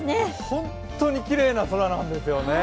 本当にきれいな空なんですよね。